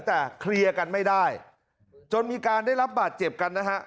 แต่เคลียร์กันไม่ได้จนมีการได้รับบาดเจ็บกันนะฮะ